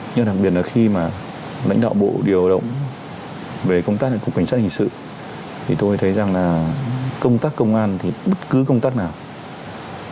nhưng đặc biệt là khi mà lãnh đạo bộ điều động về công tác cục cảnh sát hình sự thì tôi thấy rằng là công tác công an thì bất cứ công tác nào